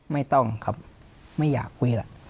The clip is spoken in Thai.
ไม่ต้องครับไม่อยากคุยล่ะ